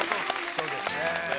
そうですね。